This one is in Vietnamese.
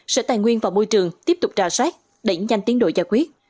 sở tài nguyên và môi trường tiếp tục trà sát đẩy nhanh tiến đội giải quyết